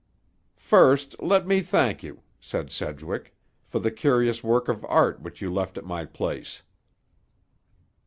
"First, let me thank you," said Sedgwick, "for the curious work of art which you left at my place."